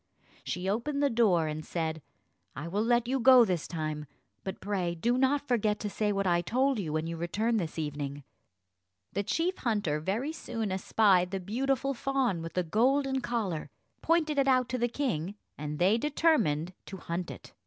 She opened the door, and said, "I will let you go this time; but pray do not forget to say what I told you, when you return this evening." The chief hunter very soon espied the beautiful fawn with the golden collar, pointed it out to the king, and they determined to hunt it.